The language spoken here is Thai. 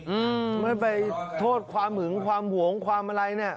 อืมไม่ไปโทษความหงวงความอะไรเนี่ย